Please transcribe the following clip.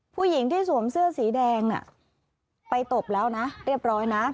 ผู้หญิงที่สวมเสื้อสีแดงน่ะไปตบแล้วนะเรียบร้อยนะ